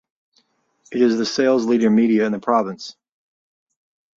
It is the sales leader media in the province.